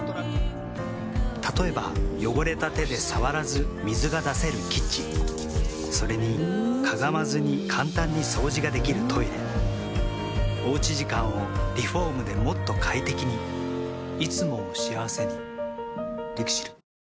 例えば汚れた手で触らず水が出せるキッチンそれにかがまずに簡単に掃除ができるトイレおうち時間をリフォームでもっと快適にいつもを幸せにＬＩＸＩＬ。